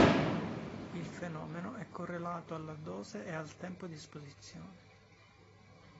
Il fenomeno è correlato alla dose e al tempo di esposizione.